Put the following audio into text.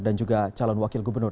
dan juga calon wakil gubernur